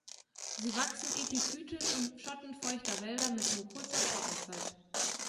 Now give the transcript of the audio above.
Sie wachsen epiphytisch im Schatten feuchter Wälder mit nur kurzer Trockenzeit.